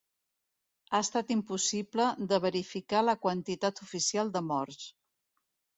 Ha estat impossible de verificar la quantitat oficial de morts.